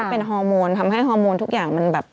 เป็นฮอร์โมนทำให้ฮอร์โมนทุกอย่างมันแบบ